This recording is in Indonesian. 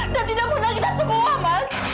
dan tidak mengenal kita semua mas